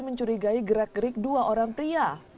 mencurigai gerak gerik dua orang pria